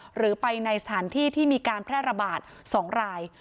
หรือไปในสถานที่ที่มีการแพร่ระบาด๒ราย